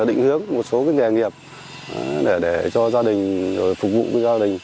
định hướng một số nghề nghiệp để cho gia đình phục vụ gia đình